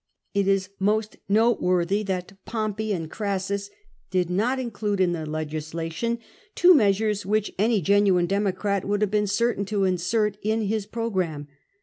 It is most noteworthy that Pompey and Crassus did not include in their legislation two measures which any genuine Democrat would have been certain to insert in his programme.